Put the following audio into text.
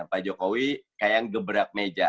pak jokowi kayak yang gebrek meja